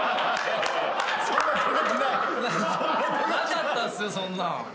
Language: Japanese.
そんなん。